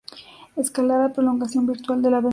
Escalada, prolongación virtual de la Av.